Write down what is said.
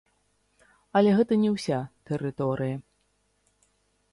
Але гэта не ўся тэрыторыя.